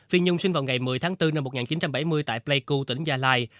phi nhân sinh vào ngày một mươi tháng bốn năm một nghìn chín trăm bảy mươi tại pleiku tỉnh gia lai